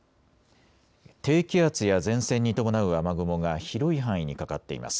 低気圧や前線に伴う雨雲が広い範囲にかかっています。